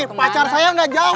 pacar saya gak jauh